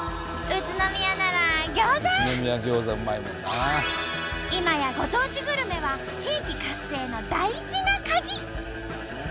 宇都宮なら今やご当地グルメは地域活性の大事なカギ！